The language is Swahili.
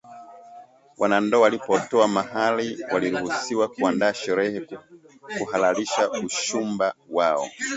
Wanandoa walipotoa mahari waliruhusiwa kuandaa sherehe kuhalalisha usuhuba wao